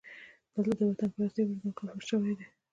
دلته د وطنپرستۍ وجدان کافر شوی دی.